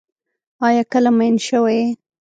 آیا کله مئین شوی یې؟